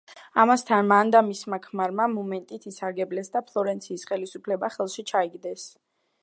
ამასთან მან და მისმა ქმარმა მომენტით ისარგებლეს და ფლორენციის ხელისუფლება ხელში ჩაიგდეს.